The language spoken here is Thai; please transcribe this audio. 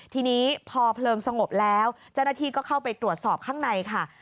ทีนี้พอเพลิงสงบแล้วเจ้าหน้าที่ก็เข้าไปตรวจสอบข้างในค่ะ